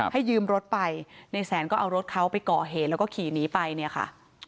ให้ยืมรถไปในแสนก็เอารถเขาไปก่อเหตุแล้วก็ขี่หนีไปเนี่ยค่ะ